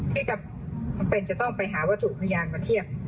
ที่จำเป็นจะต้องไปหาวัตถุพยานมาเทียบ